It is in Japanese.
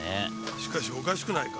しかしおかしくないか。